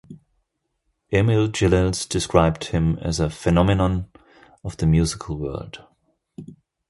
Emil Gilels described him as a "phenomenon of the musical world".